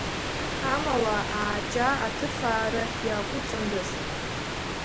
Амала, ааҷа аҭыфаара иааҟәымҵындаз…